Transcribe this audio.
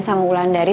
sama wulan dari